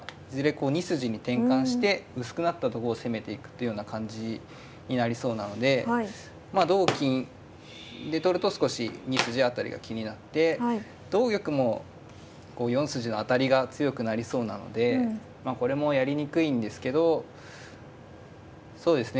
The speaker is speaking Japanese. こう２筋に転換して薄くなったとこを攻めていくっていうような感じになりそうなのでまあ同金で取ると少し２筋辺りが気になって同玉もこう４筋の当たりが強くなりそうなのでこれもやりにくいんですけどそうですね